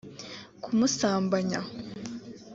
kumusambanya